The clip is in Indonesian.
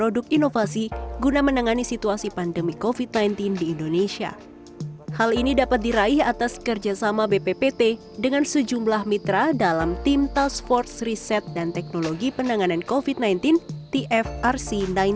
dengan sejumlah mitra dalam tim task force riset dan teknologi penanganan covid sembilan belas tfrc sembilan belas